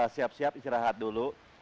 siap siap istirahat dulu